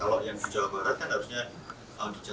oh jadi kendala teknis saja